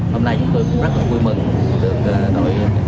hôm nay chúng tôi cũng rất là vui mừng được đội cảnh sát quản lý hành tranh